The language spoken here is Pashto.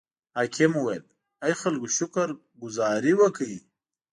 حاکم وویل: ای خلکو شکر ګذاري وکړئ.